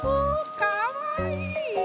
かわいい！